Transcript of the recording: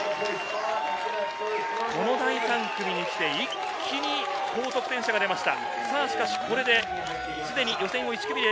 第３組に来て、一気に高得点者が出ました。